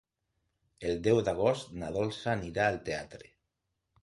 El deu d'agost na Dolça anirà al teatre.